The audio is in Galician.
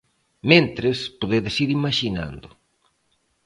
Mentres, podedes ir imaxinando.